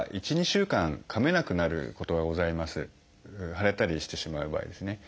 腫れたりしてしまう場合ですね。